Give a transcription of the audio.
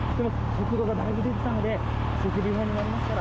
速度がだいぶ出ていたので、速度違反になりますから。